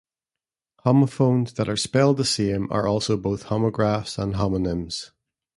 Homophones that are spelled the same are also both homographs and homonyms.